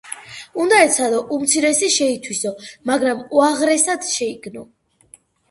უნდა ეცადო უმცირესი შეითვისო, მაგრამ უაღრესად შეიგნო.